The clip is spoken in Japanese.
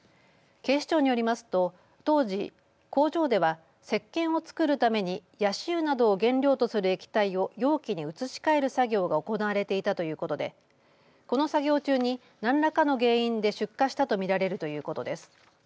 警視庁によりますと当時、工場ではせっけんを作るためにやし油などを原料とする液体を容器に移し替える作業が行われていたということでこの作業中に何らかの原因で出火したと見られるということです。